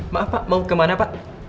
maaf pak mau kemana pak